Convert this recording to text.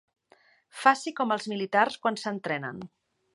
Faci com els militars quan s'entrenen.